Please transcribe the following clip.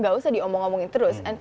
gak usah diomong omongin terus